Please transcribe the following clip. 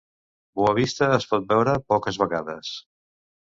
Boa Vista es pot veure poques vegades.